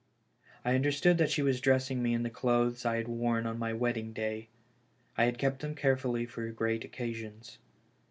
I understood that she was dressing me in the clothes I had worn on my wedding day. I had kept them care fully for great occasions.